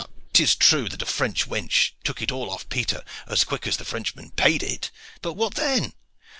'Tis true that a French wench took it all off Peter as quick as the Frenchman paid it; but what then?